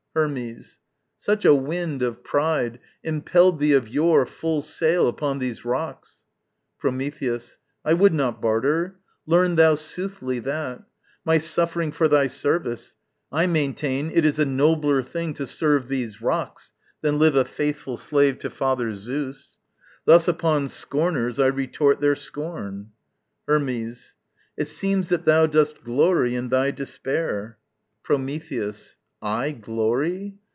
Hermes. Such a wind of pride Impelled thee of yore full sail upon these rocks. Prometheus. I would not barter learn thou soothly that! My suffering for thy service. I maintain It is a nobler thing to serve these rocks Than live a faithful slave to father Zeus. Thus upon scorners I retort their scorn. Hermes. It seems that thou dost glory in thy despair. Prometheus. I glory?